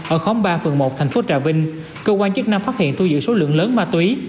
ở khóm ba phường một thành phố trà vinh cơ quan chức năng phát hiện thu giữ số lượng lớn ma túy